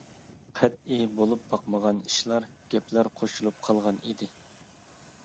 قەتئىي بولۇپ باقمىغان ئىشلار، گەپلەر قوشۇلۇپ قالغان ئىدى.